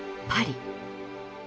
パリ。